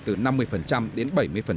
từ năm mươi đến bảy mươi